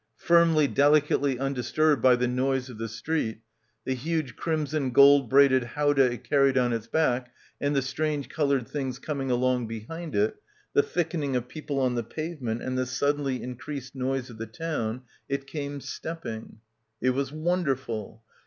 Firmly, delicately undisturbed by the noise of the street, the huge crimson gold braided howdah it carried on its back, and the strange, coloured things coming along behind it, the thick ening of people on the pavement and the suddenly increased noise of the town, it came stepping. It was wonderful.